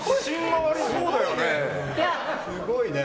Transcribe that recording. すごいね。